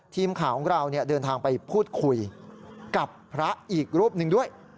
ทีมข่าวของเราเดินทางไปพูดคุยกับพระอีกรูปหนึ่งด้วย